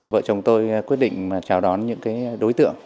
vợ chồng tôi quyết định chào đón những đối tượng